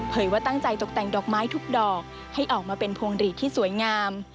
ว่าตั้งใจตกแต่งดอกไม้ทุกดอกให้ออกมาเป็นพวงหลีดที่สวยงาม